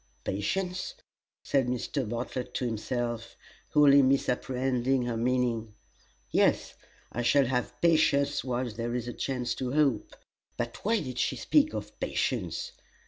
"Patience?" said Mr. Bartlett to himself, wholly misapprehending her meaning; "yes, I shall have patience while there is a chance to hope. But why did she speak of patience?